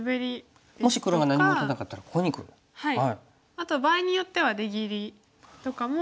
あと場合によっては出切りとかも。